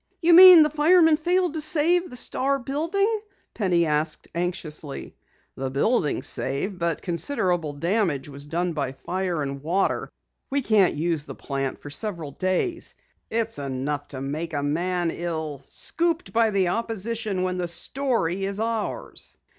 "You mean the firemen failed to save the Star building?" Penny asked anxiously. "The building's saved, but considerable damage was done by fire and water. We can't use the plant for several days. It's enough to make a man ill! Scooped by the opposition when the story is ours!"